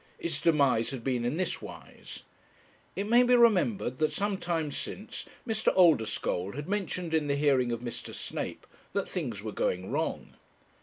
Its demise had been in this wise. It may be remembered that some time since Mr. Oldeschole had mentioned in the hearing of Mr. Snape that things were going wrong.